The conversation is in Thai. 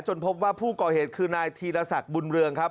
พบว่าผู้ก่อเหตุคือนายธีรศักดิ์บุญเรืองครับ